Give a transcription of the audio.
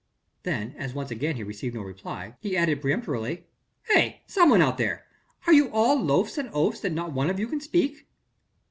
Then as once again he received no reply, he added peremptorily: "Hey! some one there! Are you all louts and oafs that not one of you can speak?"